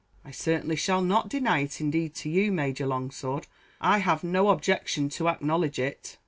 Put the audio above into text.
"I certainly shall not deny it; indeed to you, Major Longsword, I have no objection to acknowledge it."